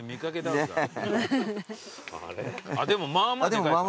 でもまあまあでかいか。